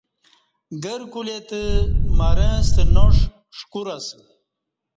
گرکولے تہ مرں ستہ ناݜ ݜکور ہ اسہ